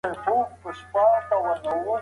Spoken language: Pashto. صحرايي ټولني د ابن خلدون په نظر کي وې.